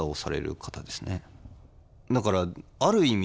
だからある意味